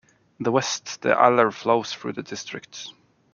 In the west the Aller flows through the district.